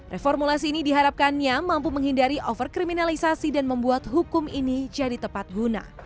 reformulasi ini diharapkannya mampu menghindari overkriminalisasi dan membuat hukum ini jauh lebih jauh